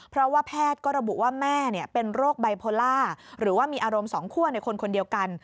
เพราะว่าแพทย์ก็ระบุว่าแม่เป็นโรคไบโพล่าหรือว่ามีอารมณ์สองคั่วในคนคนเดียวกัน